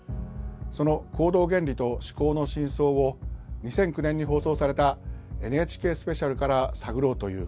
その行動原理と思考の深層を２００９年に放送された「ＮＨＫスペシャル」から探ろうという試み。